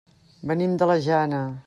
Venim de la Jana.